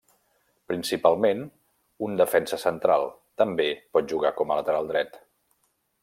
Principalment un defensa central, també pot jugar com a lateral dret.